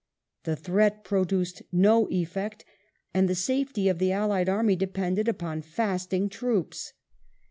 The threat produced no effect, and the safety of the allied army depended upon fasting troops